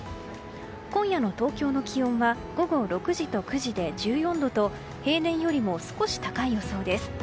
今夜の東京の気温は午後６時と９時で１４度と平年よりも少し高い予想です。